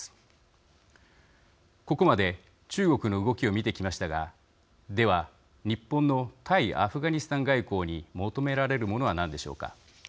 ここまで中国の動きを見てきましたがでは日本の対アフガニスタン外交に求められるものは何でしょうか。